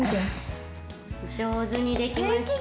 上手にできました。